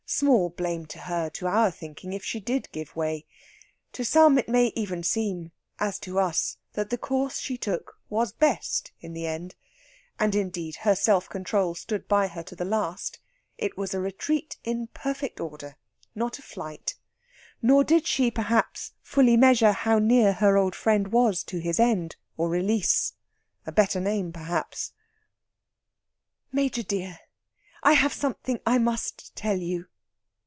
Small blame to her, to our thinking, if she did give way! To some it may even seem, as to us, that the course she took was best in the end. And, indeed, her self control stood by her to the last; it was a retreat in perfect order, not a flight. Nor did she, perhaps, fully measure how near her old friend was to his end, or release a better name, perhaps. "Major dear, I have something I must tell you."